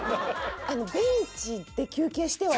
ベンチで休憩してはいけない？